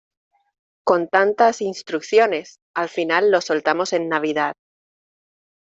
con tantas instrucciones, al final lo soltamos en Navidad.